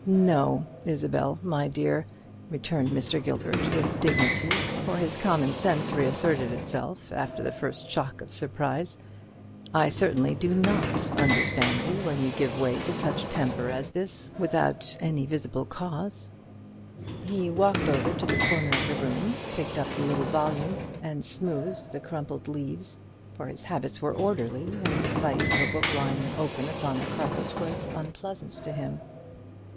"No, my dear Isabel," returned Mr. Gilbert, with dignity (for his common sense reasserted itself after the first shock of surprise); "I certainly do not understand you when you give way to such temper as this without any visible cause." He walked over to the corner of the room, picked up the little volume, and smoothed the crumpled leaves; for his habits were orderly, and the sight of a book lying open upon the carpet was unpleasant to him.